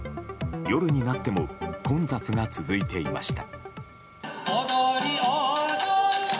夜になっても混雑が続いていました。